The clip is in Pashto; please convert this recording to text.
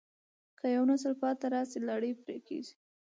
که یو نسل پاتې راشي، لړۍ پرې کېږي.